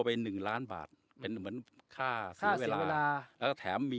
ไปหนึ่งล้านบาทเป็นเหมือนค่าเสียเวลาแล้วแถมมี